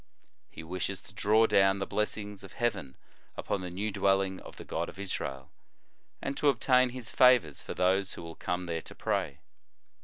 He wishes to draw down the blessings of heaven upon the new dwelling of the God of Israel, and to obtain His favors for those who will come there to pray.